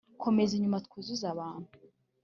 komeza inyuma twuzuze batanu